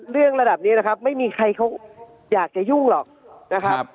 เรื่องระดับนี้นะครับไม่มีใครเขาอยากจะยุ่งหรอกนะครับ